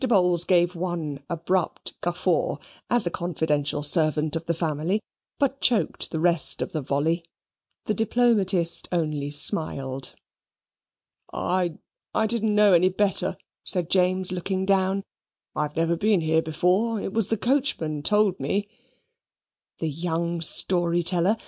Bowls gave one abrupt guffaw, as a confidential servant of the family, but choked the rest of the volley; the diplomatist only smiled. "I I didn't know any better," said James, looking down. "I've never been here before; it was the coachman told me." The young story teller!